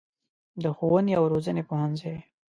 د ښوونې او روزنې پوهنځی